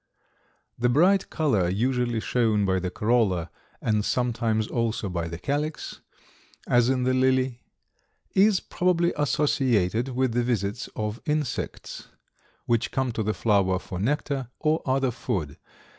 The bright color usually shown by the corolla, and sometimes also by the calyx, as in the lily, is probably associated with the visits of insects, which come to the flower for nectar or other food.